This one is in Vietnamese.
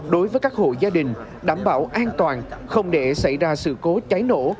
đối với các hộ gia đình đảm bảo an toàn không để xảy ra sự cố cháy nổ